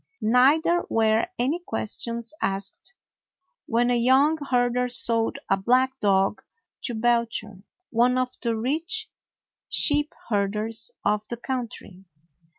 Neither were any questions asked when a young herder sold a black dog to Belcher, one of the rich sheep herders of the country.